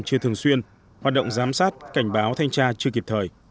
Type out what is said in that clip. chưa thường xuyên hoạt động giám sát cảnh báo thanh tra chưa kịp thời